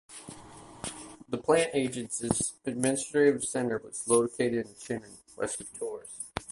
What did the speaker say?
The Plantagenets' administrative center was located in Chinon, west of Tours.